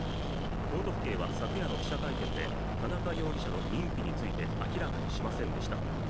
京都府警は昨夜の記者会見で田中容疑者の認否について明らかにしませんでした。